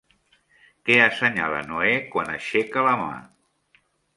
Què assenyala Noè quan aixeca la mà?